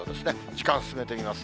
時間進めてみます。